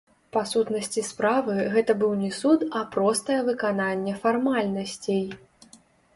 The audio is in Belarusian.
Па сутнасці справы, гэта быў не суд, а простае выкананне фармальнасцей.